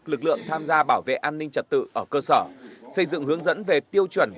lực lượng tham gia bảo vệ an ninh trật tự ở cơ sở xây dựng hướng dẫn về tiêu chuẩn